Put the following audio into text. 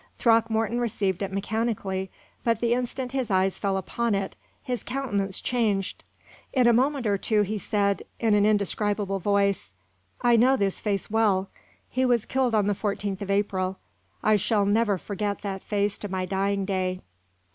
Throckmorton received it mechanically, but, the instant his eyes fell upon it, his countenance changed. In a moment or two he said, in an indescribable voice: "I know this face well; he was killed on the 14th of April. I shall never forget that face to my dying day."